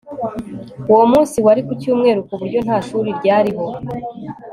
Uwo munsi wari ku cyumweru ku buryo nta shuri ryariho